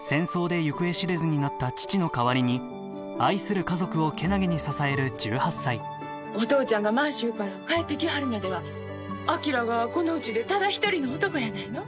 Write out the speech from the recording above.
戦争で行方知れずになった父の代わりに愛する家族を健気に支える１８歳お父ちゃんが満州から帰ってきはるまでは昭がこのうちでただ一人の男やないの。